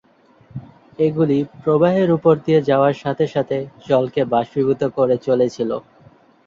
এগুলি প্রবাহের উপর দিয়ে যাওয়ার সাথে সাথে জলকে বাষ্পীভূত করে চলেছিল।